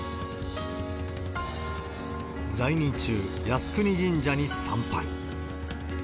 在任中、靖国神社に参拝。